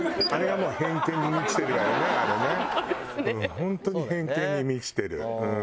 本当に偏見に満ちてる。